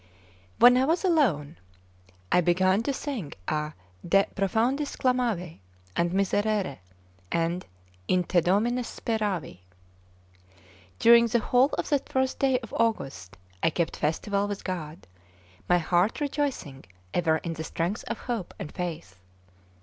When I was alone, I began to sing a 'De profundis clamavi,' a 'Miserere,' and 'In te Domine speravi.' During the whole of that first day of August I kept festival with God, my heart rejoicing ever in the strength of hope and faith.